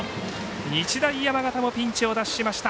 日大山形もピンチを脱しました。